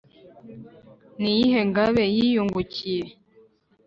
n' iyindi ngabe yiyungukiye